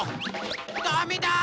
ダメだ！